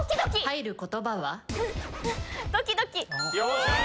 入る言葉は？